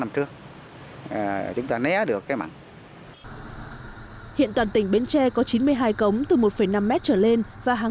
năm trước chúng ta né được cái mặn hiện toàn tỉnh bến tre có chín mươi hai cống từ một năm m trở lên và hàng